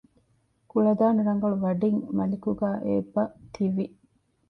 ކުޅަދާނަ ރަނގަޅު ވަޑިން މަލިކުގައި އެބަތިވި